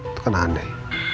itu kan aneh